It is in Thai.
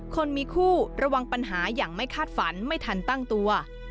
คนมีคู่ระวังปัญหาอย่างไม่คาดฝันไม่ทันตั้งตัว